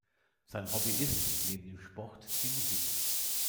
Sein Hobby ist, neben dem Sport, die Musik.